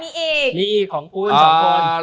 มีอีกของคุณ๒คน